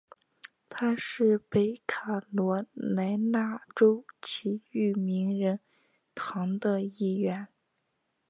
他是北卡罗来纳州体育名人堂的一员。